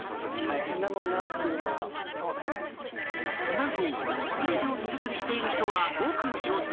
［何と全てを手作りしている人はごく少数］